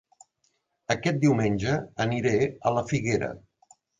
Aquest diumenge aniré a La Figuera